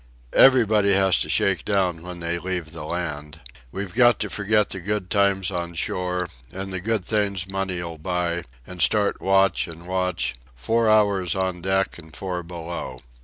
"Everybody has to shake down when they leave the land. We've got to forget the good times on shore, and the good things money'll buy, and start watch and watch, four hours on deck and four below.